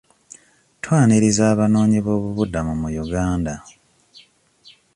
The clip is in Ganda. Twaniriza abanoonyi b'obubuddamu mu Uganda.